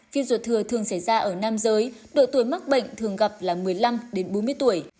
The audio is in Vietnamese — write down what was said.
phiên ruột thừa thường xảy ra ở nam giới độ tuổi mắc bệnh thường gặp là một mươi năm bốn mươi tuổi